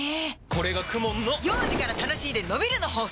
これがＫＵＭＯＮの幼児から楽しいでのびるの法則！